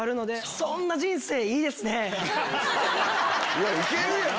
いやいけるやん！